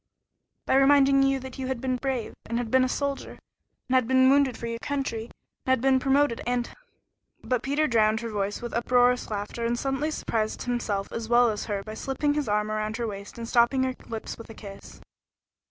"By reminding you that you had been brave and had been a soldier and had been wounded for your country and had been promoted and " But Peter drowned her voice with uproarious laughter, and suddenly surprised himself as well as her by slipping his arm around her waist and stopping her lips with a kiss.